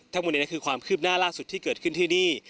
ทั้งหมดนี้คือความคืบหน้าล่าสุดที่เกิดขึ้นที่นี่